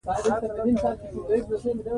تودوخه د افغانستان د سیلګرۍ برخه ده.